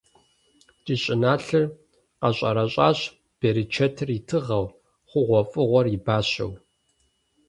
Ди щӀыналъэр къэщӀэрэщӀащ, берычэтыр и тыгъэу, хъугъуэфӀыгъуэр и бащэу.